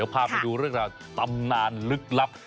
พาไปดูเรื่องราวตำนานลึกลับ